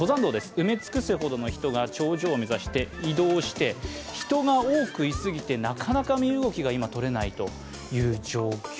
埋め尽くすほどの人が頂上を目指して移動して人が多くいすぎてなかなか身動きがとれないという状況。